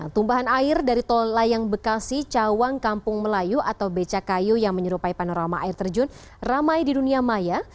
tumpahan air dari tol layang bekasi cawang kampung melayu atau becakayu yang menyerupai panorama air terjun ramai di dunia maya